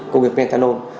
công việc methanol